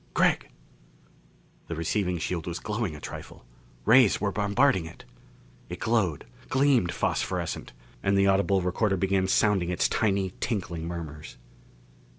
"Gregg!" The receiving shield was glowing a trifle. Rays were bombarding it! It glowed, gleamed phosphorescent, and the audible recorder began sounding its tiny tinkling murmurs.